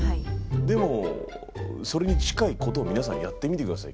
でもそれに近いことを皆さんやってみて下さい。